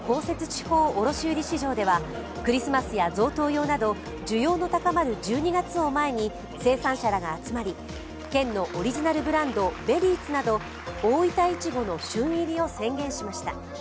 地方卸売市場ではクリスマスや贈答用など需要の高まる１２月を前に生産者らが集まり、県のオリジナルブランドベリーツなど、大分いちごの旬入りを宣言しました。